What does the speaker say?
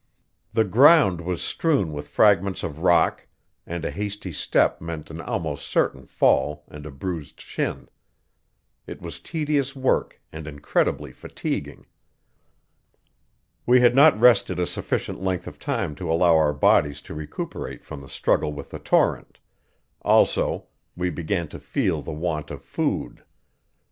The ground was strewn with fragments of rock, and a hasty step meant an almost certain fall and a bruised shin. It was tedious work and incredibly fatiguing. We had not rested a sufficient length of time to allow our bodies to recuperate from the struggle with the torrent; also, we began to feel the want of food.